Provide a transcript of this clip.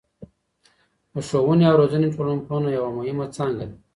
د ښووني او روزني ټولنپوهنه یوه مهمه څانګه ده.